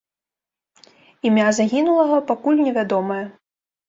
Імя загінулага пакуль невядомае.